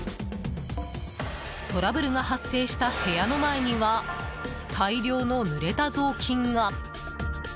トラブルが発生した部屋の前には大量のぬれた雑巾が。